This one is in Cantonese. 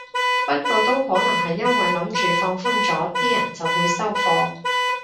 不過都可能係因為諗住放寬咗啲人就會收貨